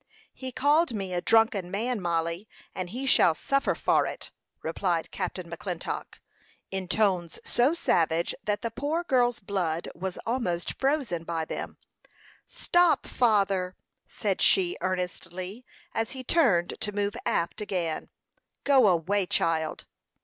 "He called me a drunken man, Mollie, and he shall suffer for it!" replied Captain McClintock, in tones so savage that the poor girl's blood was almost frozen by them. "Stop, father!" said she, earnestly, as he turned to move aft again. "Go away, child."